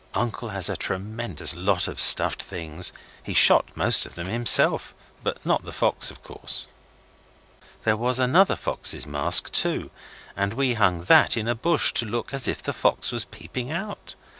Uncle has a tremendous lot of stuffed things. He shot most of them himself but not the fox, of course. There was another fox's mask, too, and we hung that in a bush to look as if the fox was peeping out.